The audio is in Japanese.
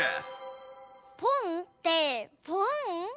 「ポン」ってポン？